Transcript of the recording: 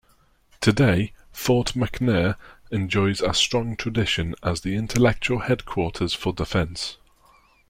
Today, Fort McNair enjoys a strong tradition as the intellectual headquarters for defense.